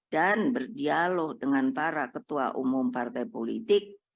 dan berdialog dengan para ketua umum partai politik